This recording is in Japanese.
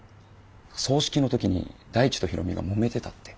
葬式の時に大地と大海がもめてたって。